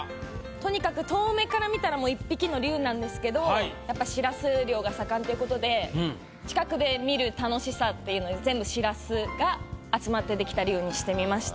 とにかく遠目から見たらもう１匹の龍なんですけどやっぱしらす漁が盛んっていうことで近くで見る楽しさっていうので全部しらすが集まってできた龍にしてみました。